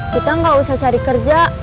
kita nggak usah cari kerja